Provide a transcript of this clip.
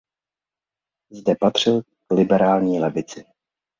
Zde patřil k liberální levici.